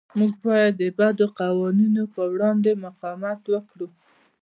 موږ باید د بدو قوانینو پر وړاندې مقاومت وکړو.